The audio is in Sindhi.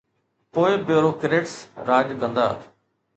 پوءِ بيوروڪريٽس راڄ ڪندا